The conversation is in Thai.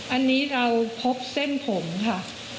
อันนี้เราพบเส้นผมค่ะ